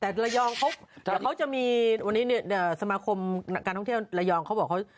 แต่ระยองเขาเดี๋ยวเขาจะมีวันนี้เนี่ยสมาคมการท่องเที่ยวระยองเขาบอกเขา